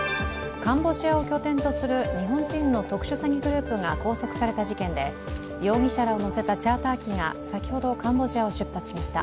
カンボジアを拠点とする日本人の特殊詐欺グループが拘束された事件で容疑者らを乗せたチャーター機が先ほどカンボジアを出発しました。